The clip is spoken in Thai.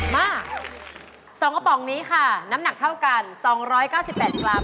มา๒กระป๋องนี้ค่ะน้ำหนักเท่ากัน๒๙๘กรัม